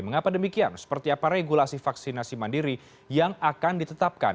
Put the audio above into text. mengapa demikian seperti apa regulasi vaksinasi mandiri yang akan ditetapkan